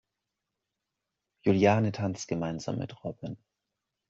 Juliane tanzt gemeinsam mit Robin.